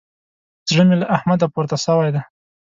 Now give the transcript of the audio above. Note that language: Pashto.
زړه مې له احمده پورته سوی دی.